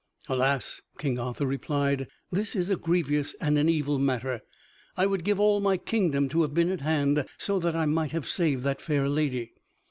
"Alas," King Arthur replied, "this is a grievous and an evil matter. I would give all my kingdom to have been at hand, so that I might have saved that fair lady."